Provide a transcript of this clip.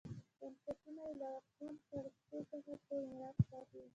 بنسټونه یې له واکمن پاړکي څخه په میراث پاتې وو